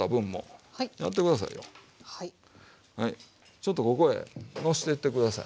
ちょっとここへのしてって下さい。